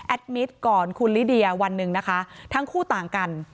มิตรก่อนคุณลิเดียวันหนึ่งนะคะทั้งคู่ต่างกัน